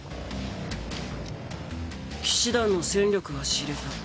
騎士団の戦力は知れた。